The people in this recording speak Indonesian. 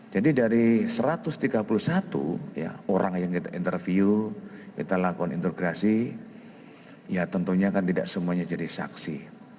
jadi dari satu ratus tiga puluh satu orang yang kita interview kita lakukan integrasi ya tentunya kan tidak semuanya jadi saksi